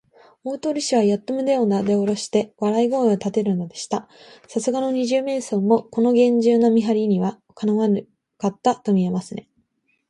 大鳥氏はやっと胸をなでおろして、笑い声をたてるのでした。さすがの二十面相も、このげんじゅうな見はりには、かなわなかったとみえますね。